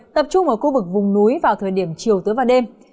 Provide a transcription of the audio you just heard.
tập trung ở khu vực vùng núi vào thời điểm chiều tối và đêm